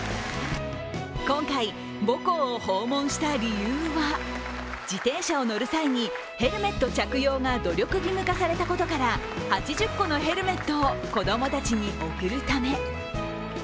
今回、母校を訪問した理由は自転車を乗る際にヘルメット着用が努力義務化されたことから８０個のヘルメットを子供たちに贈るため。